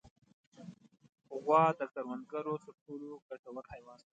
غوا د کروندګرو تر ټولو ګټور حیوان دی.